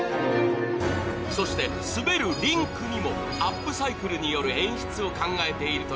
そして滑るリンクにもアップサイクルによる演出を考えていると